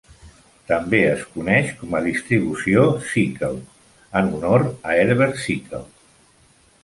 També es coneix com a distribució Sichel, en honor a Herbert Sichel.